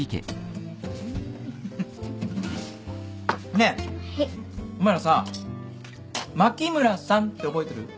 ねえお前らさ牧村さんって覚えてる？